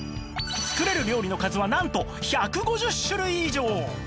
作れる料理の数はなんと１５０種類以上！